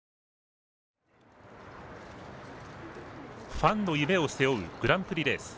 ファンの夢を背負うグランプリレース。